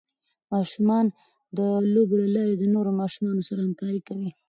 ماشومان د لوبو له لارې د نورو ماشومانو سره همکاري کوي.